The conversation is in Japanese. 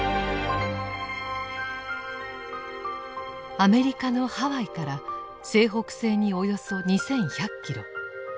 アメリカのハワイから西北西におよそ２１００キロ。